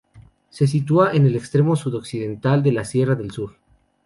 Se sitúa en el extremo sudoccidental de la Sierra del Sur.